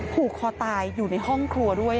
ผูกคอตายอยู่ในห้องครัวด้วย